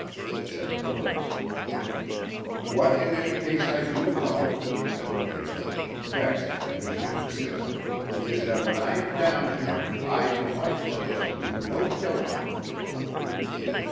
_" "We know it only too well," said Philip. "What in any case I do know," said Pierre, vexed that he should insist, "is that when I am down there I for my part shall do no killing."